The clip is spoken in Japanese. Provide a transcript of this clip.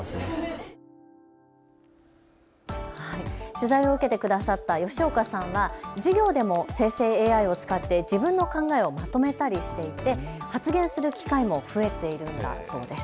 取材を受けてくださった吉岡さんは授業でも生成ＡＩを使って自分の考えをまとめたりしていて発言する機会も増えているんだそうです。